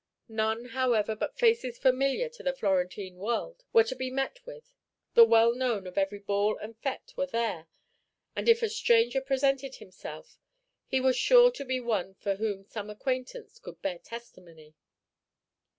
None, however, but faces familiar to the Florentine world were to be met with; the well known of every ball and fête were there, and if a stranger presented himself, he was sure to be one for whom some acquaintance could bear testimony.